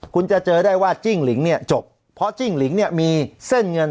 คุณจะเจอได้ว่าจิ้งหลิงเนี่ยจบเพราะจิ้งหลิงเนี่ยมีเส้นเงิน